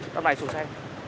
tạm bài xuống xe